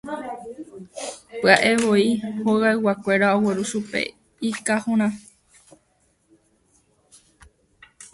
Py'aevoi hogayguakuéra ogueru chupe ikahõrã.